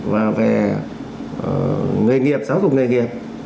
và về nghề nghiệp giáo dục nghề nghiệp